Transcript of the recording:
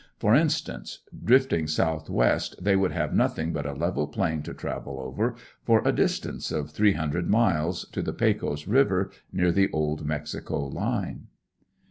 For instance, drifting southwest they would have nothing but a level plain to travel over for a distance of three hundred miles to the Pecos river near the old Mexico line.